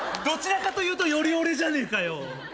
どちらかというとより俺じゃねえかよ！